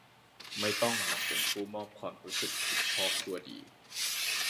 ไม่ต้องมาเป็นผู้มอบความรู้สึกผิดชอบชั่วดี